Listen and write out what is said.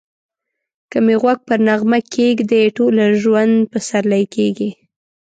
که می غوږ پر نغمه کښېږدې ټوله ژوند پسرلی کېږی